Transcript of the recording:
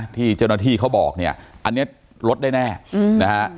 ที่เจ้าหน้าที่เขาบอกเนี่ยอันนี้ลดได้แน่นะฮะ